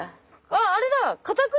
あっあれだ！